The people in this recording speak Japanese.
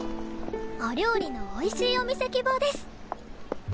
お料理のおいしいお店希望です！